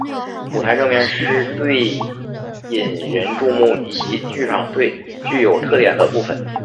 舞台正面是最引人注目以及剧场最具有特点的部分。